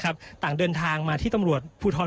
ต่างเดินทางมาที่ตำรวจภูทร